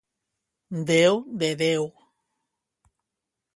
Déu de Déu!